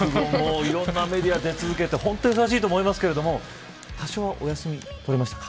いろんなメディアに出続けて本当にお忙しいと思いますけど多少は、お休み取れましたか。